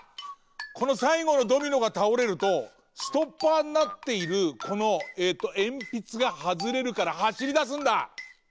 このさいごのドミノがたおれるとストッパーになっているこのえんぴつがはずれるからはしりだすんだ！